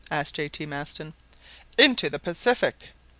asked J. T. Maston. "Into the Pacific!"